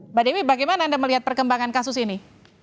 mbak dewi bagaimana anda melihat perkembangan kasus ini